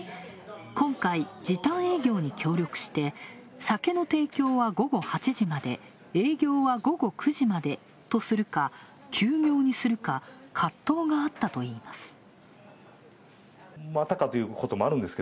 今回、時短営業に協力して酒の提供は午後８時まで、営業は午後９時までとするか、休業にするか、葛藤があったといいます。